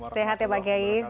sehat ya pak kiai